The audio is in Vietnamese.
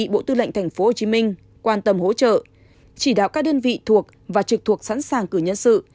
bộ tư lệnh thành phố hồ chí minh quan tâm hỗ trợ chỉ đạo các đơn vị thuộc và trực thuộc sẵn sàng cử nhân sự